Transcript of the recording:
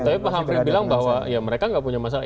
tapi pak hamfri bilang bahwa mereka tidak punya masalah